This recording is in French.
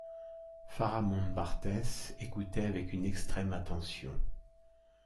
Pharamond Barthès écoutait avec une extrême attention.